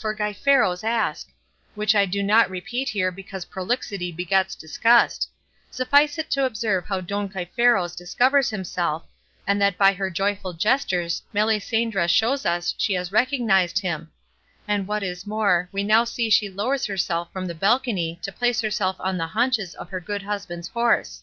for Gaiferos ask which I do not repeat here because prolixity begets disgust; suffice it to observe how Don Gaiferos discovers himself, and that by her joyful gestures Melisendra shows us she has recognised him; and what is more, we now see she lowers herself from the balcony to place herself on the haunches of her good husband's horse.